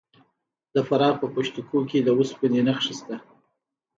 د فراه په پشت کوه کې د وسپنې نښې شته.